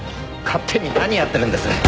勝手に何やってるんです。